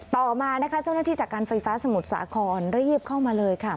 ต่อมานะคะเจ้าหน้าที่จากการไฟฟ้าสมุทรสาครรีบเข้ามาเลยค่ะ